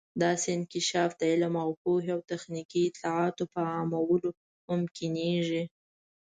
داسې انکشاف د علم او پوهې او تخنیکي اطلاعاتو په عامولو ممکنیږي.